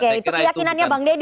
oke itu keyakinannya bang deddy